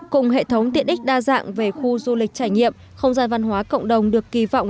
cùng hệ thống tiện ích đa dạng về khu du lịch trải nghiệm không gian văn hóa cộng đồng được kỳ vọng